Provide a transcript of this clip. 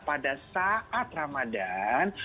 pada saat ramadan